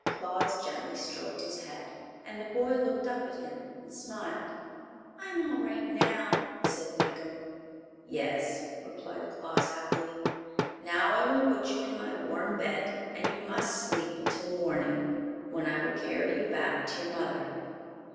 Claus gently stroked his head, and the boy looked up at him and smiled. "I'm all right now," said Weekum. "Yes," replied Claus, happily. "Now I will put you in my warm bed, and you must sleep until morning, when I will carry you back to your mother."